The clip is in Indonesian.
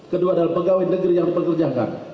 kedua adalah pegawai negeri yang dipekerjakan